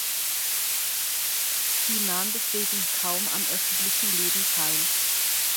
Sie nahm deswegen kaum am öffentlichen Leben teil.